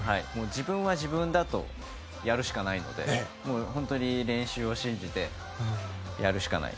自分は自分だとやるしかないので本当に練習を信じてやるしかない。